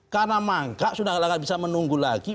karena mangkrak sudah tidak bisa menunggu lagi